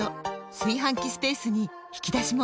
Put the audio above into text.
炊飯器スペースに引き出しも！